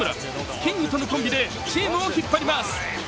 キングとのコンビでチームを引っ張ります。